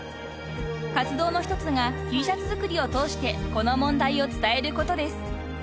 ［活動の一つがＴシャツ作りを通してこの問題を伝えることです］